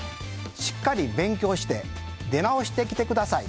しっかり勉強して出直してきて下さい。